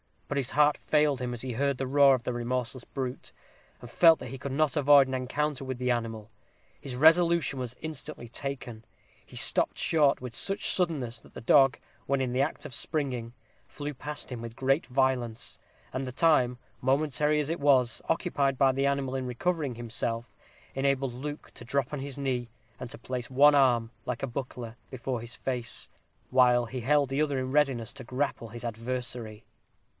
But his heart failed him as he heard the roar of the remorseless brute, and felt that he could not avoid an encounter with the animal. His resolution was instantly taken: he stopped short with such suddenness, that the dog, when in the act of springing, flew past him with great violence, and the time, momentary as it was, occupied by the animal in recovering himself, enabled Luke to drop on his knee, and to place one arm, like a buckler, before his face, while he held the other in readiness to grapple his adversary.